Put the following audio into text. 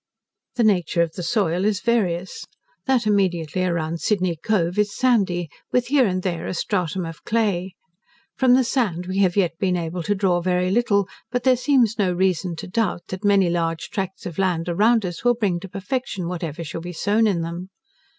The nature of the soil is various. That immediately round Sydney Cove is sandy, with here and there a stratum of clay. From the sand we have yet been able to draw very little; but there seems no reason to doubt, that many large tracts of land around us will bring to perfection whatever shall be sown in them.